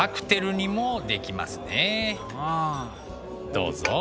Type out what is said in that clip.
どうぞ。